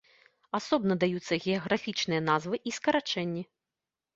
Асобна даюцца геаграфічныя назвы і скарачэнні.